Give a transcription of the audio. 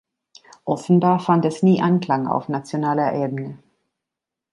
Offenbar fand es nie Anklang auf nationaler Ebene.